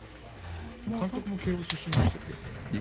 監督も慶応出身でしたっけ？